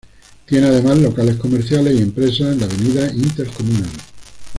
Tiene además locales comerciales y empresas en la Av Intercomunal.